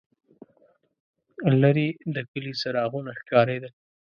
لرې د کلي څراغونه ښکارېدل.